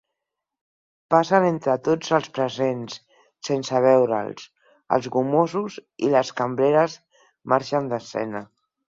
Passen entre tots els presents, sense veure'ls, els gomosos i les cambreres marxen d'escena.